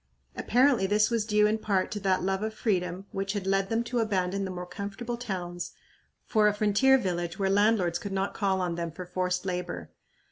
Apparently this was due in part to that love of freedom which had led them to abandon the more comfortable towns for a frontier village where landlords could not call on them for forced labor.